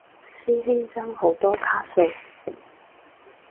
師兄爭好多卡數？